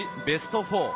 ベスト４。